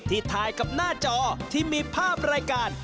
ที่ถ่ายกับหน้าจอที่มีภาพรายการ